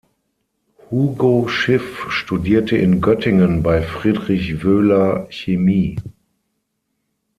Hugo Schiff studierte in Göttingen bei Friedrich Wöhler Chemie.